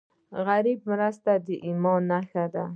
د غریب مرسته د ایمان نښه ده.